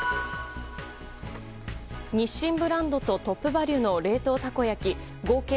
日清ブランドとトップバリュの冷凍たこ焼き合計